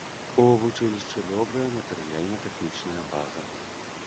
У вучылішчы добрая матэрыяльна-тэхнічная база.